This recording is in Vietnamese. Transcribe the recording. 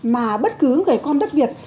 mà bất cứ người con đất việt